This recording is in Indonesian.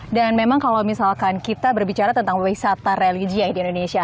dan memang kalau misalkan kita berbicara tentang wisata religi di indonesia